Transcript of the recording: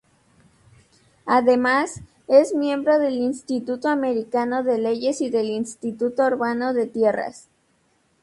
Además, es miembro del Instituto Americano de Leyes y del Instituto Urbano de Tierras.